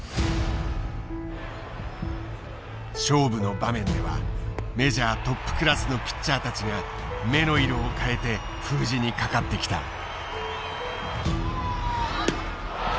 勝負の場面ではメジャートップクラスのピッチャーたちが目の色を変えて封じにかかってきた。